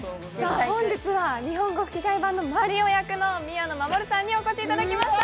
本日は日本語吹き替え版のマリオ役の宮野真守さんにお越しいただきました